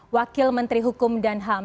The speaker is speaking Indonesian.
wakil menteri hukum dan ham